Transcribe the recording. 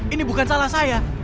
ini bukan salah saya